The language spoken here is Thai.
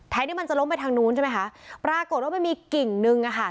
ที่มันจะล้มไปทางนู้นใช่ไหมคะปรากฏว่ามันมีกิ่งนึงอะค่ะ